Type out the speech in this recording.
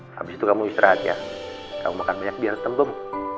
habis itu kamu istirahat ya kamu makan banyak biar tembem